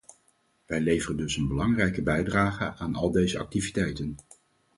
Wij leveren dus een belangrijke bijdrage aan al deze activiteiten.